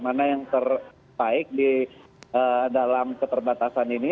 mana yang terbaik di dalam keterbatasan ini